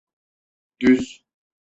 Düz.